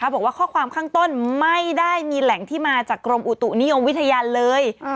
บอกว่าข้อความข้างต้นไม่ได้มีแหล่งที่มาจากกรมอุตุนิยมวิทยาเลย